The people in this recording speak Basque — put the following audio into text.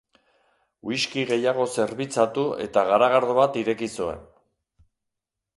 Whiski gehiago zerbitzatu eta garagardo bat ireki zuen.